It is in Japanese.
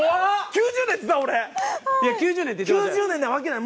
９０年なわけない。